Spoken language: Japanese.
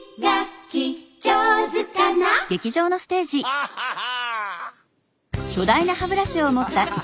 ハッハハ！